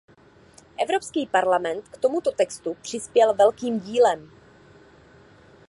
Evropský parlament k tomuto textu přispěl velkým dílem.